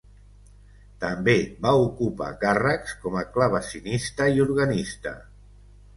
També va ocupar càrrecs com a clavecinista i organista.